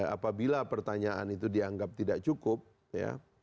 apabila pertanyaan itu dianggap tidak cukup ya